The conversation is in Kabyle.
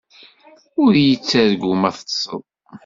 Ur yi-ttargu ma teṭṭseḍ.